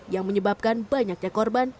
yang menyebabkan banyaknya korban